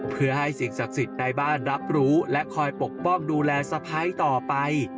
เพื่อให้สิ่งศักดิ์สิทธิ์ในบ้านรับรู้และคอยปกป้องดูแลสะพ้ายต่อไป